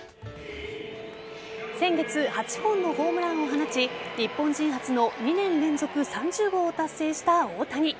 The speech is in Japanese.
先月、８本のホームランを放ち日本人初の２年連続３０号を達成した大谷。